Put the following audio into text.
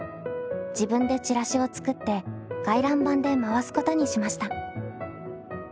自分でチラシを作って回覧板で回すことにしました。